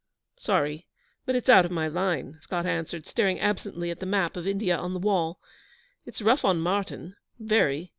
'Sorry, but it's out of my line,' Scott answered, staring absently at the map of India on the wall. 'It's rough on Martyn very.